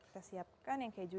kita siapkan yang kejunya